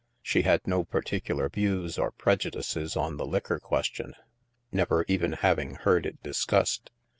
She had no particular views or preju dices on the liquor question, never even having heard it discussed.